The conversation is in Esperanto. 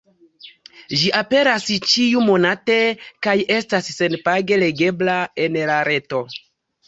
Ĝi aperas ĉiu-monate, kaj estas sen-page legebla en la reto.